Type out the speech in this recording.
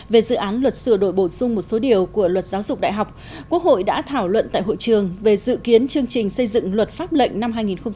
về dự án luật sửa đổi bổ sung một số điều của luật giáo dục đại học quốc hội đã thảo luận tại hội trường về dự kiến chương trình xây dựng luật pháp lệnh năm hai nghìn hai mươi